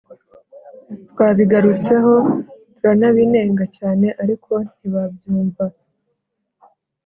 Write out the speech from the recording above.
Twabigarutseho turanabinenga cyane ariko ntibabyumva